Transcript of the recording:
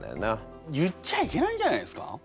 言っちゃいけないんじゃないですか？